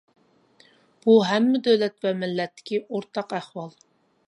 بۇ ھەممە دۆلەت ۋە مىللەتتىكى ئورتاق ئەھۋال.